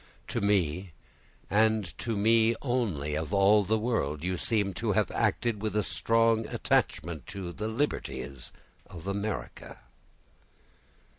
To me, and to me only of all the world, you seem to have acted with a strong attachment to the liberties of America."